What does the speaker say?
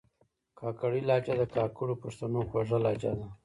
کاکړۍ لهجه د کاکړو پښتنو خوږه لهجه ده